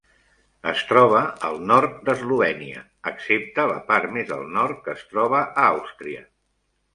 Es troba al nord d"Eslovènia, excepte la part més al nord, que es troba a Àustria.